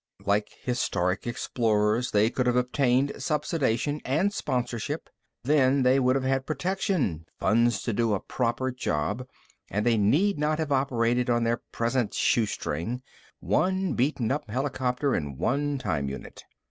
Like historic explorers, they could have obtained subsidization and sponsorship. Then they would have had protection, funds to do a proper job and they need not have operated on their present shoestring one beaten up helicopter and one time unit.